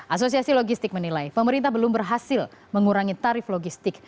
asosiasi logistik menilai pemerintah belum berhasil mengurangi tarif logistik